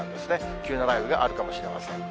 急な雷雨があるかもしれません。